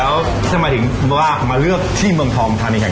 แล้วที่จะมาถึงมาเลือกที่เมืองทองทันอย่างนี้ครับ